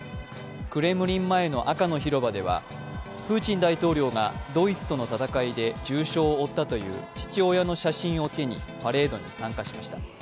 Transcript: クレムリン前の赤の広場ではプーチン大統領がドイツとの戦いで重傷を負ったという父親の写真を手にパレードに参加しました。